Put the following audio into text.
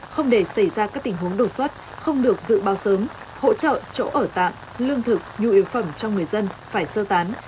không để xảy ra các tình huống đột xuất không được dự báo sớm hỗ trợ chỗ ở tạm lương thực nhu yếu phẩm cho người dân phải sơ tán